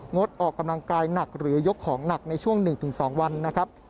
ดออกกำลังกายหนักหรือยกของหนักในช่วง๑๒วันนะครับ